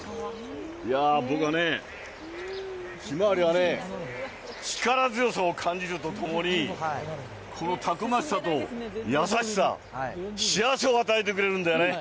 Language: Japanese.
いやー、僕はね、ひまわりはね、力強さを感じるとともに、このたくましさと優しさ、幸せを与えてくれるんだよね。